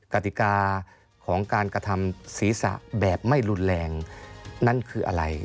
กติกาของการกระทำศีรษะแบบไม่รุนแรงนั่นคืออะไร